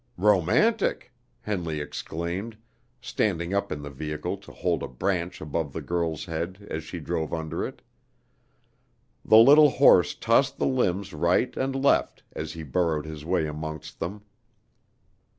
"Romantic!" Henley exclaimed, standing up in the vehicle to hold a branch above the girl's head as she drove under it. The little horse tossed the limbs right and left as he burrowed his way amongst them.